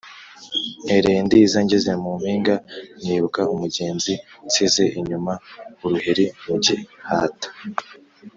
Ntereye Ndiza ngeze mu mpinga nibuka umugenzi nsize inyuma-Uruheri mu gihata.